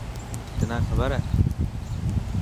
تنان کبر هي؟